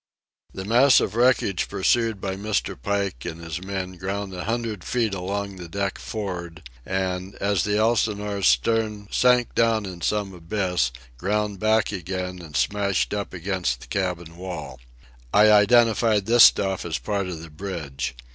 The mass of wreckage pursued by Mr. Pike and his men ground a hundred feet along the deck for'ard, and, as the Elsinore's stern sank down in some abyss, ground back again and smashed up against the cabin wall. I identified this stuff as part of the bridge.